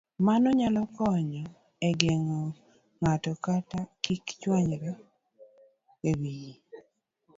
Mano nyalo konyo e geng'o ng'ato kik chwanyre kata hinyore e wiye.